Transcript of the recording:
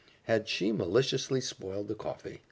Had she maliciously spoiled the coffee?